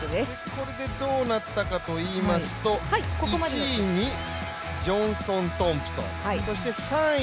これでどうなったかといいますと１位にジョンソン・トンプソン。